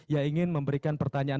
yang ingin memberikan pertanyaan